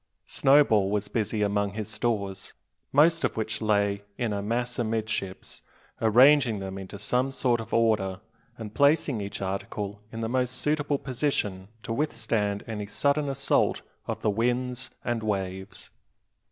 Snowball was busy among his stores, most of which lay in a mass amidships, arranging them into some sort of order, and placing each article in the most suitable position to withstand any sudden assault of the winds and waves.